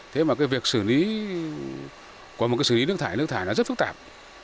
thế mà cái việc xử lý có một cái xử lý nước thải nước thải nó rất phức tạp